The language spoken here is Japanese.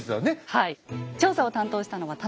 はい。